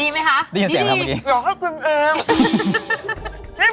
ดีไหมคะดีอยากให้คุนเองมืดดี